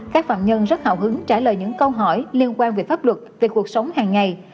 các phạm nhân rất hào hứng trả lời những câu hỏi liên quan về pháp luật về cuộc sống hàng ngày